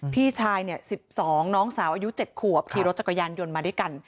พี่ชาย๑๒น้องสาวอายุ๗ขวบขี่รถจักรยานยนต์มาด้วยกัน